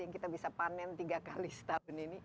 yang kita bisa panen tiga kali setahun ini